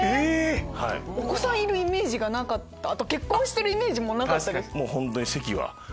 お子さんいるイメージがなかったあと結婚してるイメージも。